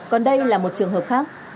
còn đây là một trường hợp khác